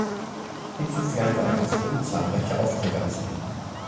Insofern war er gezwungen, zahlreiche Aufträge anzunehmen.